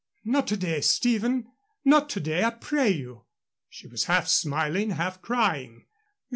"Not to day, Stephen. Not to day, I pray you." She was half smiling, half crying.